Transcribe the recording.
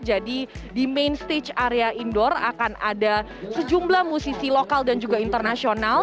jadi di main stage area indoor akan ada sejumlah musisi lokal dan juga internasional